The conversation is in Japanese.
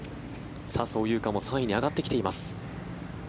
笹生優花も３位に上がってきています。